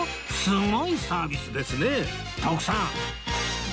すごいサービスですね徳さん